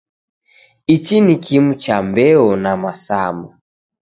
Ichi ni kimu cha mbeo na masama.